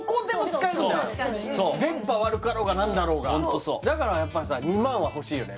うっそう電波悪かろうが何だろうがホントそうだからやっぱさ２万は欲しいよね